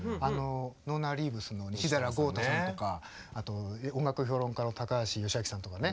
ノーナ・リーヴスの西寺郷太さんとかあと音楽評論家の高橋芳朗さんとかね。